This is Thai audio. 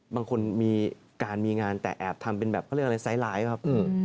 บางคนมีการมีงานแต่แอบทำเป็นแบบอะไรไซไลด์ครับครับ